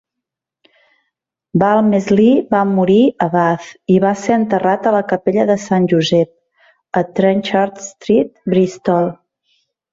Walmesley va morir a Bath i va ser enterrat a la capella de Sant Josep,a Trenchard Street, Bristol.